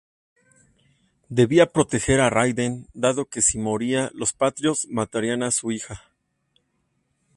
Debía proteger a Raiden, dado que si moría los Patriots matarían a su hija.